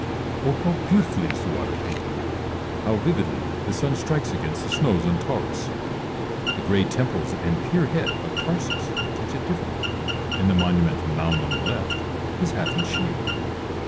Coisar. Oh how beautifully is the water painted ! Hovv vividly the sun strikes against the snows on Taurus ! The grey temples and pier head of Tarsus catch it differently, and the monumental mound on the left is half in shade.